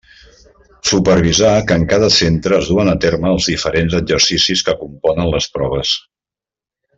Supervisar que en cada centre es duen a terme els diferents exercicis que componen les proves.